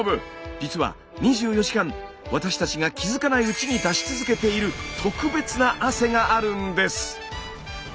実は２４時間私たちが気付かないうちに出し続けている特別な汗があるんです。